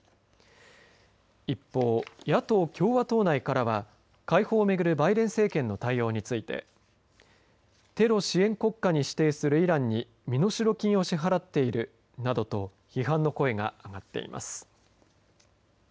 一方、野党・共和党内からは解放を巡るバイデン政権の対応についてテロ支援国家に指定するイランに身代金を支払っているなどと批判の声が上がっています。